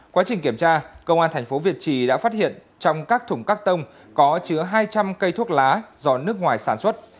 quá trình kiểm tra công an thành phố việt trì đã phát hiện trong các thùng cắt tông có chứa hai trăm linh cây thuốc lá do nước ngoài sản xuất